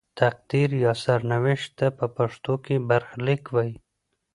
تقدیر یا سرنوشت ته په پښتو کې برخلیک وايي.